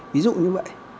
ví dụ như vậy